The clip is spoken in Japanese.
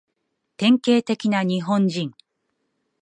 典型的な日本人